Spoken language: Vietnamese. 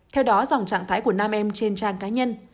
theo đó dòng trạng thái của nam em trên trang cá nhân